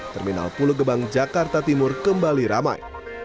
terminal pulau gebang jakarta timur kembali ramai